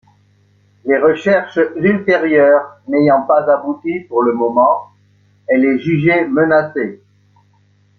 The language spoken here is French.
Les recherches ultérieures n'ayant pas abouti pour le moment, elle est jugée menacée.